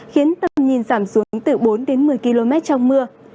khiến tầm nhìn giảm xuống từ bốn đến một mươi km trong mưa